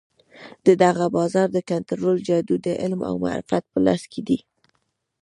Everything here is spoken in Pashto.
د دغه بازار د کنترول جادو د علم او معرفت په لاس کې دی.